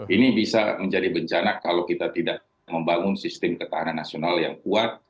ini bisa menjadi bencana kalau kita tidak membangun sistem ketahanan nasional yang kuat